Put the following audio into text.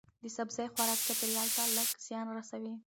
د سبزی خوراک چاپیریال ته لږ زیان رسوي.